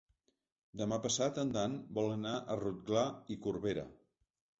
Demà passat en Dan vol anar a Rotglà i Corberà.